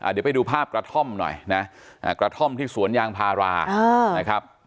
เดี๋ยวไปดูภาพกระท่อมหน่อยนะกระท่อมที่สวนยางพารานะครับ